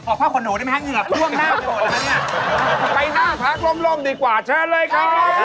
ใครหน้าพักโล่งดีกว่าเท่าไรก็